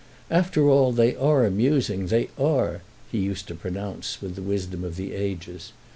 "After all they are amusing—they are!" he used to pronounce with the wisdom of the ages.